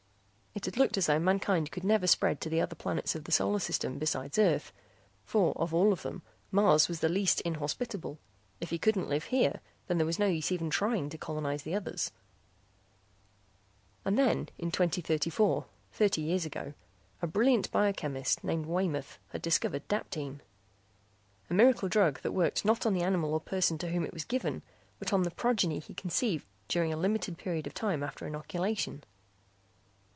It had looked as though mankind could never spread to the other planets of the solar system besides Earth for of all of them Mars was the least inhospitable; if he couldn't live here there was no use even trying to colonize the others. And then, in 2034, thirty years ago, a brilliant biochemist named Waymoth had discovered daptine. A miracle drug that worked not on the animal or person to whom it was given, but on the progeny he conceived during a limited period of time after inoculation.